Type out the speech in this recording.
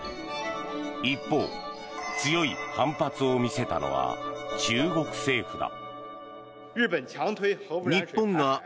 一方、強い反発を見せたのは中国政府だ。